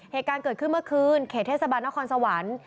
เหตุการณ์เกิดขึ้นเมื่อคืนเขตเทศบาลนครสวรรค์